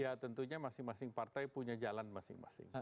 ya tentunya masing masing partai punya jalan masing masing